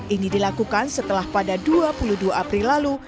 ini dilakukan setelah pada dua puluh dua april lalu